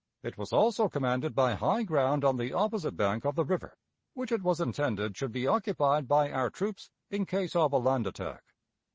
It was also commanded by high ground on the opposite bank of the river, which it was intended should be occupied by our troops in case of a land attack.